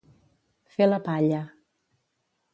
Fer la palla.